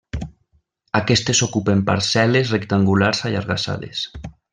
Aquestes ocupen parcel·les rectangulars allargassades.